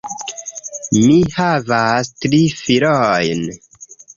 Mi havas tri filojn.